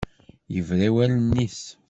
Yebra i wallen-is.